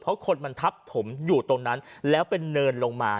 เพราะคนมันทับถมอยู่ตรงนั้นแล้วเป็นเนินลงมา